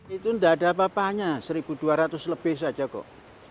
itu tidak ada apa apanya satu dua ratus lebih saja kok